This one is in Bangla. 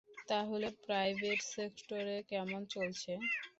তাহলে প্রাইভেট সেক্টরে কেমন চলছে?